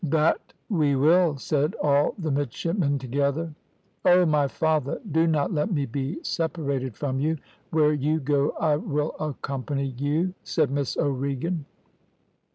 "`That we will,' said all the midshipmen together. "`Oh, my father, do not let me be separated from you. Where you go I will accompany you,' said Miss O'Regan.